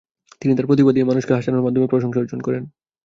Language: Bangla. তিনি তার প্রতিভা দিয়ে মানুষকে হাসানোর মাধ্যমে প্রশংসা অর্জন করেন।